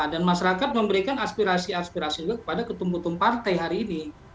dan masyarakat memberikan aspirasi aspirasi juga kepada ketum kutum partai hari ini